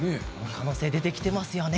可能性が出てきていますよね。